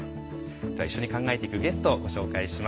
では一緒に考えていくゲストをご紹介します。